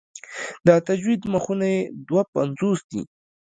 د تجوید مخونه یې دوه پنځوس دي.